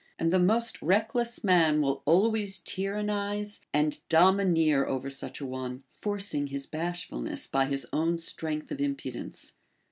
And the most reckless man Avill always tyrannize and domineer over such a one, forcing his bash fulness by his own strength of impudence.